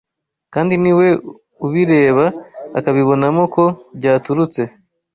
kandi ni we ubireba akabibonamo ko byaturutse